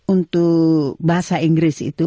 untuk bahasa inggris itu